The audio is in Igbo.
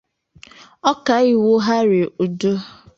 Ọkaiwu Harry Uduh